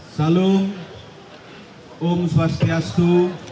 salam om swastiastu